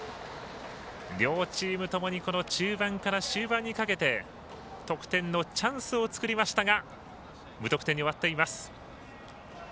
両チームともにこの中盤から終盤にかけて得点のチャンスを作りましたが無得点に終わっています。